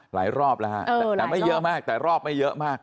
รอบแล้วฮะแต่ไม่เยอะมากแต่รอบไม่เยอะมาก